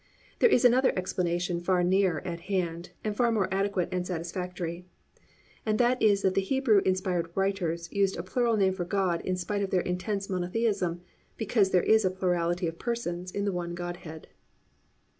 There is another explanation far nearer at hand, and far more adequate and satisfactory, and that is that the Hebrew inspired writers use a plural name for God in spite of their intense monotheism, because there is a plurality of persons in the one Godhead.